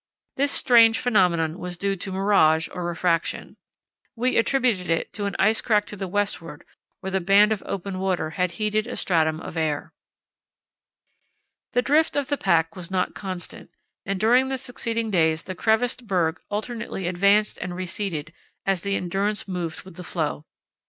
This strange phenomenon was due to mirage or refraction. We attributed it to an ice crack to the westward, where the band of open water had heated a stratum of air. The drift of the pack was not constant, and during the succeeding days the crevassed berg alternately advanced and receded as the Endurance moved with the floe.